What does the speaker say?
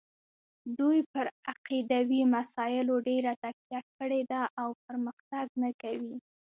دوی پر عقیدوي مسایلو ډېره تکیه کړې ده او پرمختګ نه کوي.